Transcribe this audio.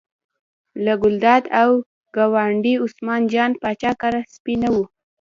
له ګلداد او ګاونډي عثمان جان پاچا کره سپی نه و.